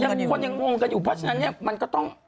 คนยังงงกันอยู่เพราะฉะนั้นเนี่ยมันก็ต้อง